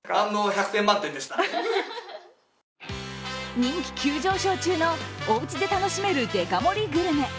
人気急上昇中のおうちで楽しめるデカ盛りグルメ。